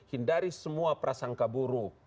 hindari semua prasangka buruk